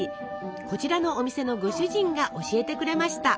こちらのお店のご主人が教えてくれました。